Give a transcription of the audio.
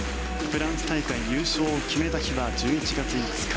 フランス大会優勝を決めた日は１１月５日。